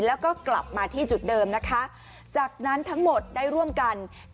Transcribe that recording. แล้วก็กลับมาที่จุดเดิมนะคะจากนั้นทั้งหมดได้ร่วมกัน